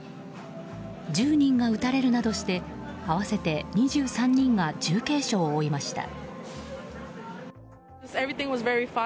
１０人が撃たれるなどして合わせて２３人が重軽傷を負いました。